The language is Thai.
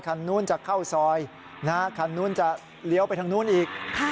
คันนู้นจะเข้าซอยคันนู้นจะเลี้ยวไปทางนู้นอีก